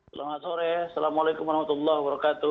selamat sore assalamualaikum warahmatullahi wabarakatuh